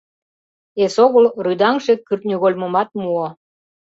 Эсогыл рӱдаҥше кӱртньыгольмымат муо.